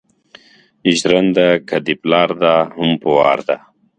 ژرنده که دې پلار ده هم په وار ده.